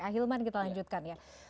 ahilman kita lanjutkan ya